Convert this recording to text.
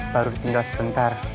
baru tinggal sebentar